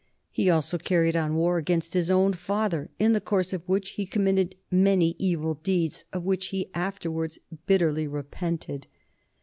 He also carried on war against his own father, in the course of which he com mitted many evil deeds of which he afterward bitterly re pented.